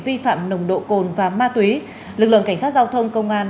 vi phạm nồng độ cồn và ma túy lực lượng cảnh sát giao thông công an